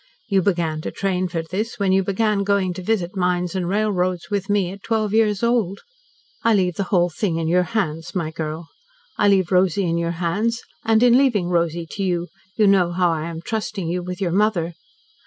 You began to train for this when you began going to visit mines and railroads with me at twelve years old. I leave the whole thing in your hands, my girl, I leave Rosy in your hands, and in leaving Rosy to you, you know how I am trusting you with your mother.